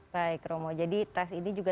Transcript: baik romo jadi tes ini juga